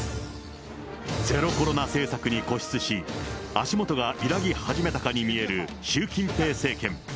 ゼロコロナ政策に固執し、足元が揺らぎ始めたかに見える習近平政権。